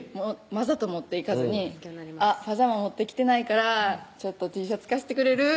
わざと持っていかずに「パジャマ持ってきてないからちょっとＴシャツ貸してくれる？